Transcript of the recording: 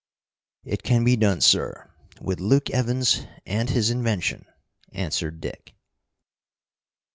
"It can be done, sir with Luke Evans and his invention," answered Dick.